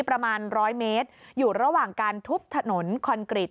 ประมาณร้อยเมตรอยู่ระหว่างการทุบถนนคอนกรีต